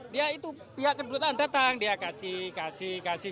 dia itu pihak kebutuhan datang dia kasih kasih kasih